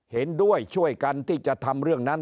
เห็นด้วยช่วยกันที่จะทำเรื่องนั้น